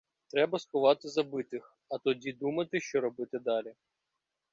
Треба сховати забитих, а тоді думати, що робити далі.